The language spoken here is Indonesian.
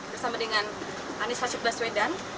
bersama dengan anies baswedan